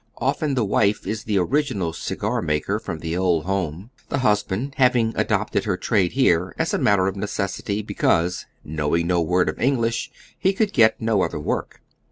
Often the wife is the original cigannaker from the old home, the husband having adopted her trade here as a matter of necessity, hecause, knowing no word of English, he could get no other work.